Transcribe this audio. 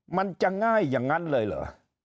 มันจะง่ายอย่างนั้นเลยเหรอ